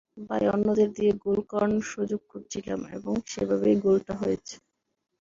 তাই অন্যদের দিয়ে গোল করানোর সুযোগ খুঁজছিলাম এবং সেভাবেই গোলটা হয়েছে।